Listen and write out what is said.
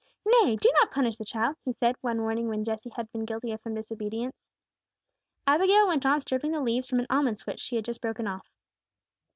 "Nay! do not punish the child!" he said, one morning when Jesse had been guilty of some disobedience. Abigail went on stripping the leaves from an almond switch she just had broken off.